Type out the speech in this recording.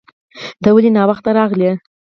ته ولې ناوخته راغلې